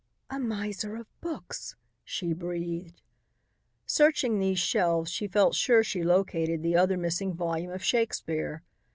"A miser of books," she breathed. Searching these shelves, she felt sure she located the other missing volume of Shakespeare.